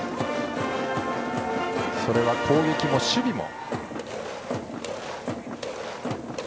それは攻撃も守備も。